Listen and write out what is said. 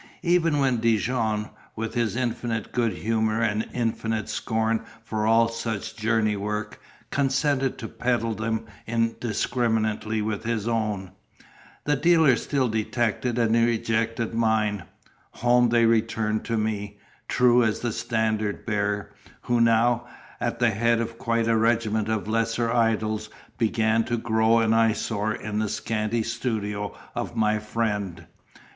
Even when Dijon, with his infinite good humour and infinite scorn for all such journey work, consented to peddle them in indiscriminately with his own, the dealers still detected and rejected mine. Home they returned to me, true as the Standard Bearer; who now, at the head of quite a regiment of lesser idols, began to grow an eyesore in the scanty studio of my friend.